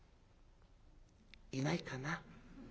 いないかな？